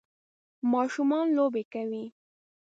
ماشومان لوبی کوی.